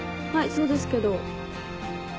そうですけど。